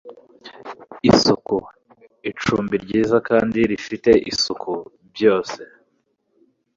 isuku, icumbi ryiza kandi rifite isuku, byose